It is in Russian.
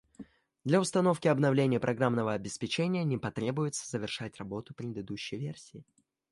Для установки обновлений программного обеспечения не потребуется завершать работу предыдущей версии